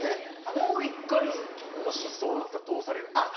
もう１回もしそうなったらどうされるんですか？